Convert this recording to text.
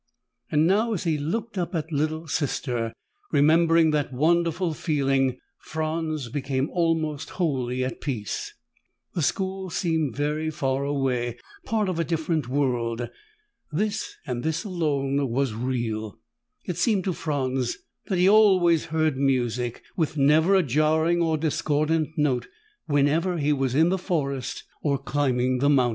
Now, as he looked up at Little Sister, remembering that wonderful feeling, Franz became almost wholly at peace. The school seemed very far away, part of a different world. This, and this alone, was real. It seemed to Franz that he always heard music, with never a jarring or discordant note, whenever he was in the forest or climbing the mountains.